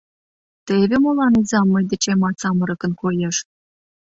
— Теве молан изам мый дечемат самырыкын коеш!..